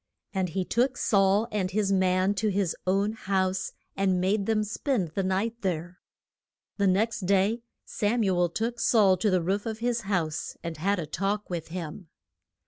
And he took Saul and his man to his own house, and made them spend the night there. The next day Sam u el took Saul to the roof of his house, and had a talk with him.